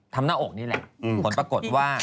หน้าอกนี่แหละผลปรากฏว่า